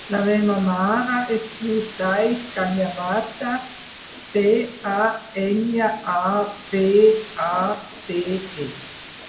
La meva mare es diu Thaís Cañabate: ce, a, enya, a, be, a, te, e.